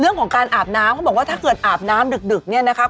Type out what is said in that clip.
เรื่องของการอาบน้ำเขาบอกว่าถ้าเกิดอาบน้ำดึกเนี่ยนะครับ